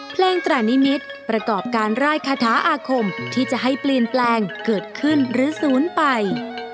ตรานิมิตรประกอบการร่ายคาถาอาคมที่จะให้เปลี่ยนแปลงเกิดขึ้นหรือศูนย์ไป